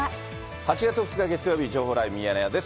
８月２日月曜日、情報ライブミヤネ屋です。